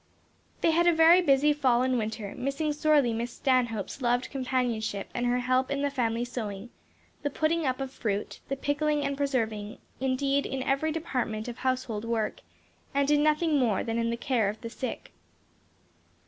They had a very busy fall and winter, missing sorely Miss Stanhope's loved companionship and her help in the family sewing, the putting up of fruit the pickling and preserving, indeed in every department of household work; and in nothing more than in the care of the sick.